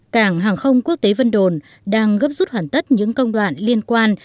cảng hàng không quốc tế vân đồn đang gấp rút hoàn tất những công đoạn liên quan